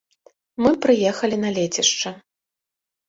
Мы прыехалі на лецішча.